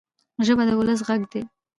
ژبه د ولس ږغ دی.